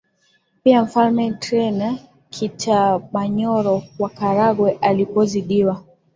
Pia mfalme ntare kiitabanyoro wa karagwe alipo zidiwa